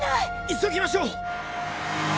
急ぎましょう！